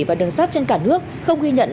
và đường sát trên cả nước không ghi nhận